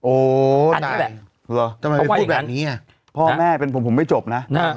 อันนั้นแหละทำไมพูดแบบนี้พ่อแม่เป็นผมผมไม่จบนะ